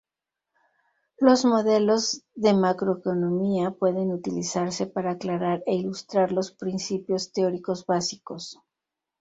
Los modelos de Macroeconomía pueden utilizarse para aclarar e ilustrar los principios teóricos básicos.